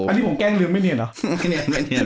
อันนี้ผมแกล้งลืมไม่เนียนเหรอ